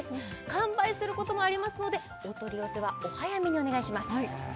完売することもありますのでお取り寄せはお早めにお願いします